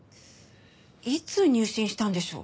いつ入信したんでしょう？